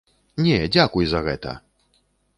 Не, дзякуй за гэта!